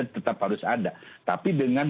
tetap harus ada tapi dengan